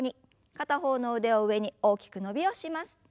片方の腕を上に大きく伸びをします。